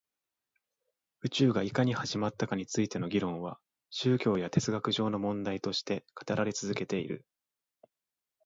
宇宙がいかに始まったかについての議論は宗教や哲学上の問題として語られて続けている